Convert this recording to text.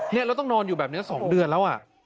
แล้วต้องนอนอยู่แบบนี้๒เดือนแล้ว